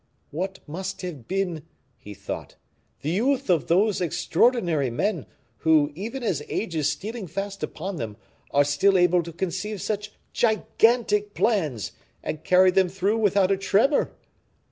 "What must have been," he thought, "the youth of those extraordinary men, who, even as age is stealing fast upon them, are still able to conceive such gigantic plans, and carry them through without a tremor?"